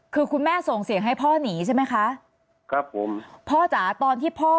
คือคุณแม่ส่งเสียงให้พ่อหนีใช่ไหมคะครับผมพ่อจ๋าตอนที่พ่อ